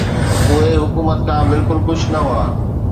اهي حڪومت کان بلڪل خوش نه هئا.